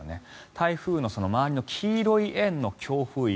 台風の周りの黄色い円の強風域